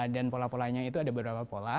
dan pola polanya itu ada beberapa pola